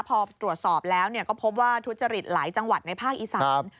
พอตรวจสอบแล้วก็พบว่าทุจริตหลายจังหวัดในภาคอีสาน